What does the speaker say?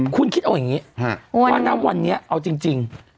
คุณคิดเอาอย่างนี้ว่าณวันนี้เอาจริง